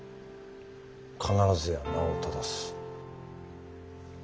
「必ずや名を正す」。